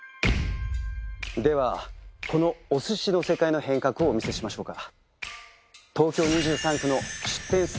ではこのお寿司の世界の変革をお見せしましょうか。